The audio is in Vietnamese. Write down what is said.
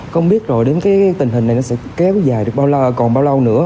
không biết rồi đến cái tình hình này nó sẽ kéo dài được bao la còn bao lâu nữa